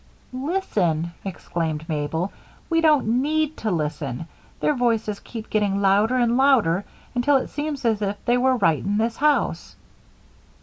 "Listen!" exclaimed Mabel. "We don't need to listen. Their voices keep getting louder and louder until it seems as if they were right in this house."